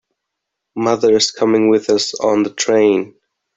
Mother is coming with us on the train.